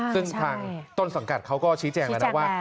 ซึ่งทางต้นสังกัดเขาก็ชี้แจงแล้วนะว่า